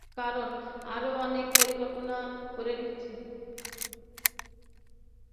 কারণ, আরো অনেক পরিকল্পনা করে রেখেছি।